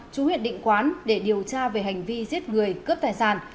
chú huyện định quán để điều tra về hành vi giết người cướp tài sản